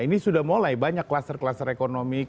ini sudah mulai banyak kluster kluster ekonomi